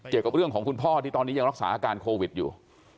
เกี่ยวกับเรื่องของคุณพ่อที่ตอนนี้ยังรักษาอาการโควิดอยู่